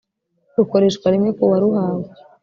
rukoreshwa rimwe ku waruhawe